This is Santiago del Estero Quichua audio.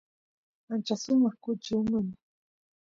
ancha sumaq kuchi uman